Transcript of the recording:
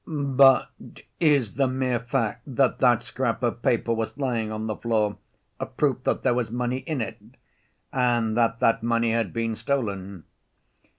But is the mere fact that that scrap of paper was lying on the floor a proof that there was money in it, and that that money had been stolen?